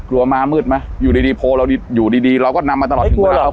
กลัวมามืดไหมอยู่ดีโพลอยู่ดีเราก็นำมาตลอดไม่กลัวหรอก